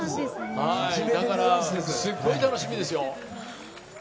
だから、すごい楽しみですよ。